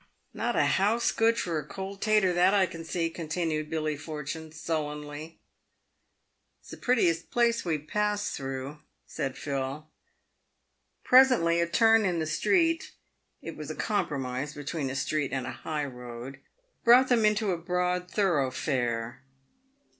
" Not a house good for a cold tater, that I can see," continued Billy Fortune, sullenly. " It's the prettiest place we've passed through," said Phil. Presently a turn in the street (it was a compromise between a street and a high road) brought them into a broad thoroughfare.